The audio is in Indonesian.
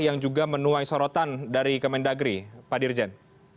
yang juga menuai sorotan dari kemendagri pak dirjen